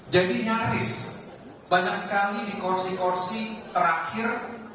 jadi nyaris banyak sekali di kursi kursi terakhir